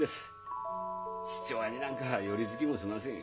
父親になんか寄り付きもしません。